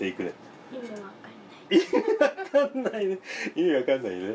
意味わかんないね！